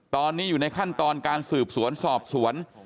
ตอนนี้อยู่ในขั้นตอนการสืบสวนสอบสวน